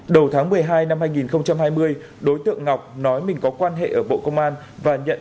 đầu tháng một mươi hai năm hai nghìn hai mươi đối tượng ngọc nói mình có quan hệ ở bộ công an và nhận